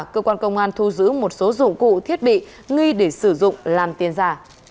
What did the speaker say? cơ quan công an thu giữ một số dụng cụ thiết bị nghi để sử dụng làm tiền giả